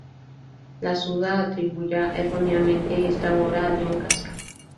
La Suda atribuya erróneamente esta obra a Dión Casio.